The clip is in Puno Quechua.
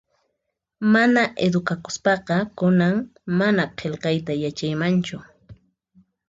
Mana edukakuspaqa kunan mana qillqayta yachaymanchu